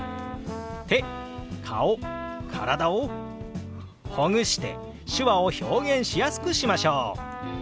手顔体をほぐして手話を表現しやすくしましょう！